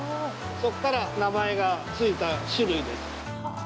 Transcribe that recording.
そこから名前が付いた種類です。